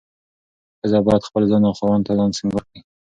ښځه باید خپل ځان او خاوند ته ځان سينګار کړي.